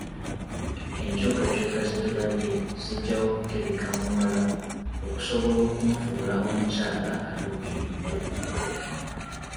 Enkyukakyuka ze tulabye zijjawo kutegeka muwala okusobola okumufuula omukyala atuukiridde.